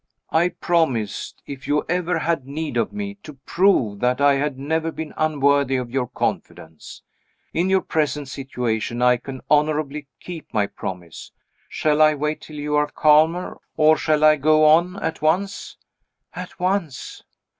"I promised, if you ever had need of me, to prove that I had never been unworthy of your confidence. In your present situation, I can honorably keep my promise. Shall I wait till you are calmer? or shall I go on at once?" "At once!"